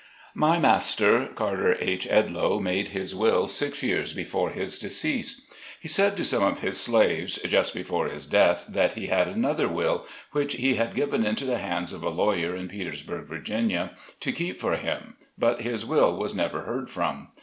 Y Master ! Carter H. Edloe made his will six years before his decease. He said to some of his slaves, just before his death, that he had another will, which he had given into the hands of a lawyer in Petersburg, Va., to keep for him, but this will was never heard from.